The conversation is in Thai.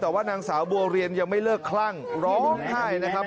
แต่ว่านางสาวบัวเรียนยังไม่เลิกคลั่งร้องไห้นะครับ